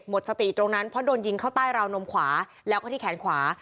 หมดสติตรงนั้นเพราะโดนยิงเข้าใต้ราวนมขวาแล้วก็ที่แขนขวา